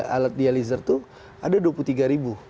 alat dialiser itu ada dua puluh tiga ribu